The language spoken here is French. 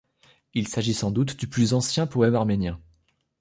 Il s'agit sans doute du plus ancien poème arménien.